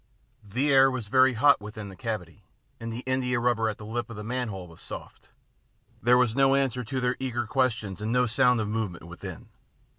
The air was very hot within the cavity, and the indiarubber at the lip of the manhole was soft. There was no answer to their eager questions and no sound of movement within.